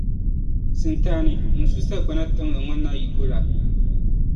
Sintani, ŋun su sagbana tiŋli ŋɔ na yiko la.